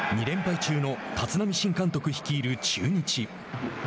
２連敗中の立浪新監督率いる中日。